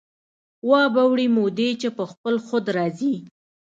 وابه وړي مودې چې په خپل خود را ځي